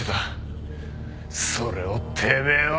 それをてめえは！